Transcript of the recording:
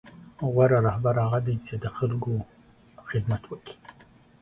غوره رهبر هغه دی چې د خپلو خلکو خدمت وکړي.